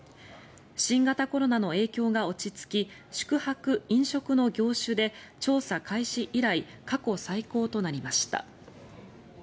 新型コロナの影響が落ち着き宿泊・飲食の業種で調査開始以来過去最高となりました。